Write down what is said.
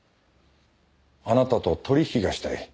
あなたと取引がしたい。